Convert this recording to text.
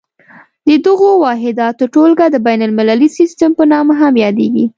د دغو واحداتو ټولګه د بین المللي سیسټم په نامه هم یادیږي.